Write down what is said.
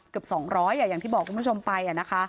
เกือบ๒๐๐อย่างที่บอกคุณผู้ชมไปนะคะ